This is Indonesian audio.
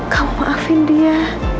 kamu maafin dia